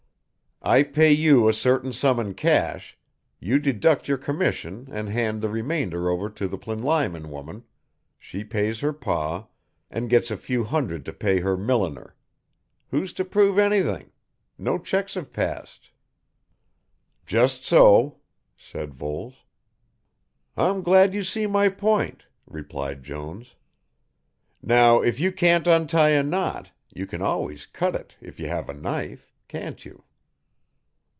I pay you a certain sum in cash, you deduct your commission and hand the remainder over to the Plinlimon woman, she pays her Pa, and gets a few hundred to pay her milliner. Who's to prove anything? No cheques have passed." "Just so," said Voles. "I'm glad you see my point," replied Jones. "Now if you can't untie a knot, you can always cut it if you have a knife can't you?"